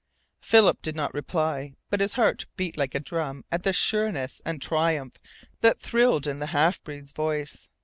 Philip did not reply. But his heart beat like a drum at the sureness and triumph that thrilled in the half breed's voice.